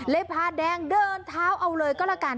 แล้วพาแดงเดินเท้าเอาเลยก็ระกัน